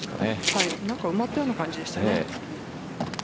埋まったような感じでしたね。